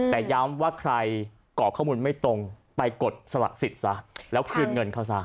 แต่ย้ำว่าใครก่อข้อมูลไม่ตรงไปกดสละสิทธิ์ซะแล้วคืนเงินเขาซะ